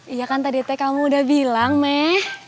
iya kan tadi teh kamu udah bilang meh